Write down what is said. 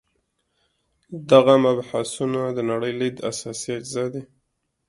دغه مبحثونه د نړۍ لید اساسي اجزا دي.